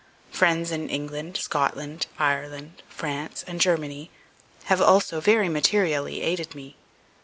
Friends in England, Scotland, Ireland, France, and Germany, have also very materially aided me.